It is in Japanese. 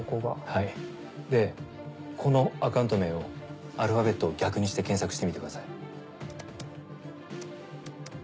はいでこのアカウント名をアルファベットを逆にして検索してみてください。